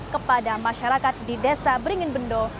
kepada masyarakat di desa beringinbendo